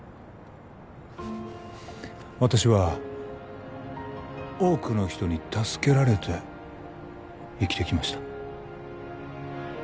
私は多くの人に助けられて生きてきました